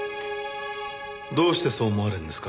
どうしてそう思われるんですか？